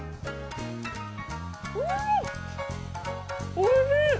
おいしい。